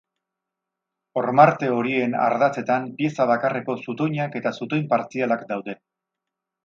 Hormarte horien ardatzetan pieza bakarreko zutoinak eta zutoin partzialak daude.